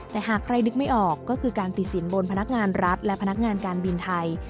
แต่หากใครนึกไม่ออกก็คือการติดสินบนพนักงานรัฐและพนักงานการบินไทย